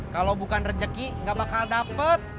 kalau bukan rezeki gak bakal dapat